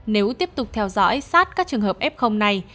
nếu tiếp tục theo dõi sát các trường hợp f này